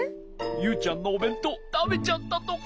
ユウちゃんのおべんとうたべちゃったとか？